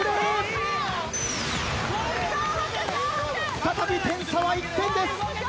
再び点差は１点です。